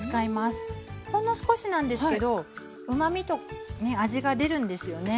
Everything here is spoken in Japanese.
ほんの少しなんですけどうまみと味が出るんですよね。